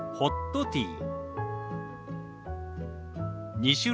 「ホットティー」。